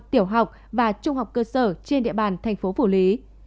tiểu học và trung học cơ sở trên địa bàn tp phủ lý